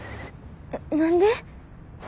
何で？